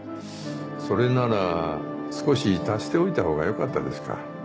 それなら少し足しておいたほうがよかったですか。